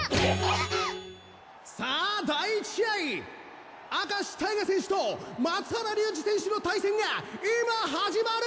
さあ第１試合明石タイガ選手と松原龍二選手の対戦がいま始まる！